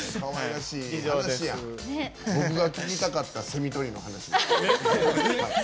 僕が聞きたかったセミ捕りの話です。